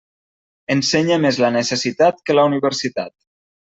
Ensenya més la necessitat que la universitat.